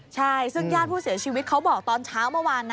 ใช่ซึ่งญาติผู้เสียชีวิตเขาบอกตอนเช้าเมื่อวานนะ